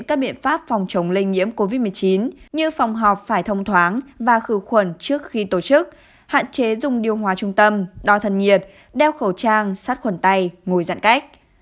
các phòng họp phải thông thoáng và khử khuẩn trước khi tổ chức hạn chế dùng điều hóa trung tâm đo thần nhiệt đeo khẩu trang sát khuẩn tay ngồi giãn cách